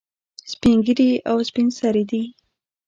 سپین ږیري او سپین سرې دي.